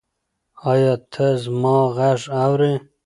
ایا ته زما غږ اورې؟